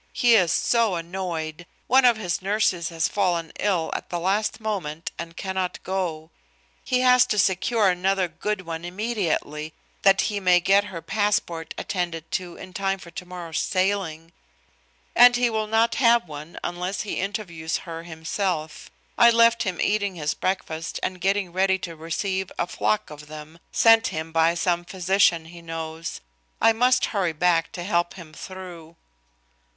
He is so annoyed. One of his nurses has fallen ill at the last moment and cannot go. He has to secure another good one immediately, that he may get her passport attended to in time for tomorrow's sailing. And he will not have one unless he interviews her himself. I left him eating his breakfast and getting ready to receive a flock of them sent him by some physicians he knows. I must hurry back to help him through."